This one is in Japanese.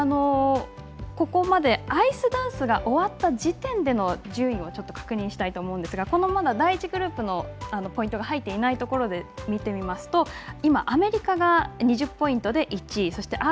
ここまでアイスダンスが終わった時点での順位を確認したいと思いますが第１グループのポイントが入っていないところで見てみますとアメリカが２０ポイントで１位。